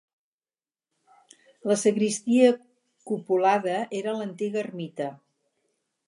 La sagristia cupulada era l'antiga ermita.